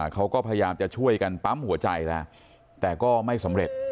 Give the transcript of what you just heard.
เขาก็พยายามจะช่วยกันปั๊มหัวใจแล้วแต่ก็ไม่สำเร็จ